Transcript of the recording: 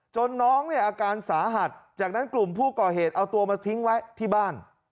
น้องเนี่ยอาการสาหัสจากนั้นกลุ่มผู้ก่อเหตุเอาตัวมาทิ้งไว้ที่บ้าน